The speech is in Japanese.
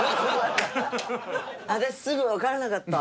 私すぐわからなかった。